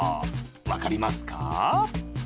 わかりますか？